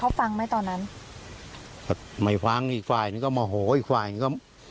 เขาฟังไหมตอนนั้นก็ไม่ฟังอีกฝ่ายนึงก็โมโหอีกฝ่ายหนึ่งก็